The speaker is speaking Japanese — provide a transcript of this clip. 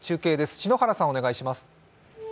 篠原さん、お願いします。